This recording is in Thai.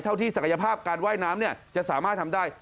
เท่าที่ศักยภาพการว่ายน้ำจะสามารถทำได้